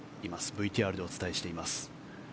ＶＴＲでお伝えしています。